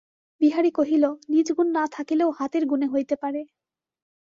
বিহারী কহিল, নিজগুণ না থাকিলেও হাতের গুণে হইতে পারে।